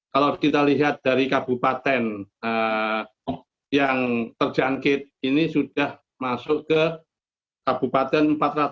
kalau kita lihat dari kabupaten yang terjangkit ini sudah masuk ke kabupaten empat ratus lima puluh